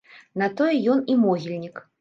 На тое ён і могільнік.